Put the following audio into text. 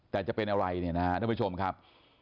แต่จะเป็นอะไรเนี่ยนะครับท่านผู้ชมครับ